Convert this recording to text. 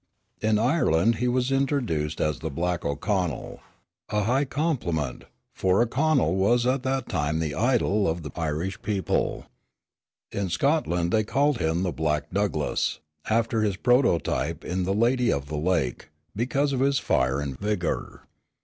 In Ireland he was introduced as "the black O'Connell," a high compliment; for O'Connell was at that time the idol of the Irish people. In Scotland they called him the "black Douglass [Douglas]," after his prototype in The Lady of the Lake, because of his fìre and vigor.